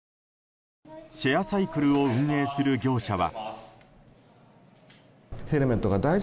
シェアサイクルを運営する業者は。